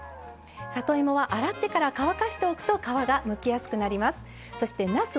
里芋は洗ってから乾かしておくと皮がむきやすくなります。